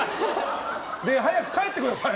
で、早く帰ってください。